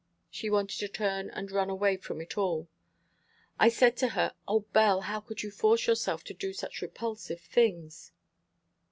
She wanted to turn and run away from it all. I said to her, 'O, Belle, how could you force yourself to do such repulsive things?'"